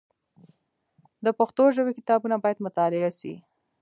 د پښتو ژبي کتابونه باید مطالعه سي.